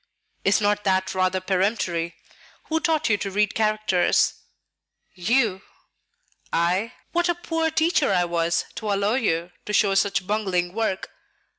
"Is not that rather peremptory? Who taught you to read characters?" "You." "I? What a poor teacher I was to allow you to show such bungling work!